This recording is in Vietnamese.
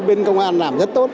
bên công an làm rất tốt